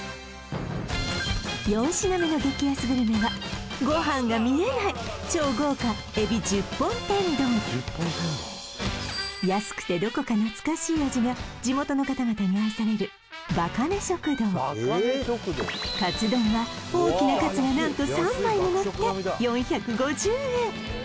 ４品目の激安グルメは安くてどこか懐かしい味が地元の方々に愛されるカツ丼は大きなカツが何と３枚ものって４５０円